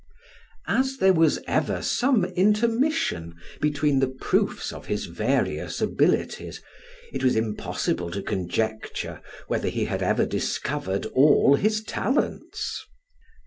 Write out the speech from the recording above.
As there was ever some intermission between the proofs of his various abilities, it was impossible to conjecture whether he had ever discovered all his talents.